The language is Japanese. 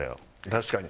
確かに。